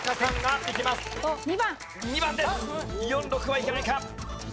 ４６はいけないか。